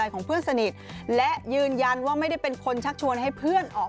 ๒๔ก็เบนเจ้าเพศแล้วเหรอ